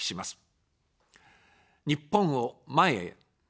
日本を、前へ。